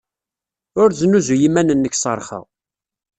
Ur snuzuy iman-nnek s rrxa.